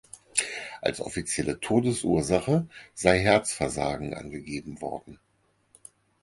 Als offizielle Todesursache sei Herzversagen angegeben worden.